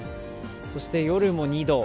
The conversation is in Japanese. そして夜も２度。